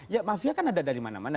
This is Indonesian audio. ya mafia kan ada dari mana mana